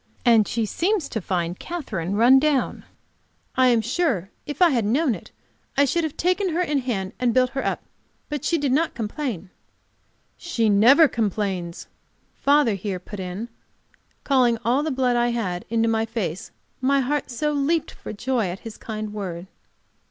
And she seems to find Katherine run down. I am sure if I had known it I should have taken her in hand and built her up. But she did not complain." "She never complains," father here put in, calling all the blood I had into my face, my heart so leaped for joy at his kind word.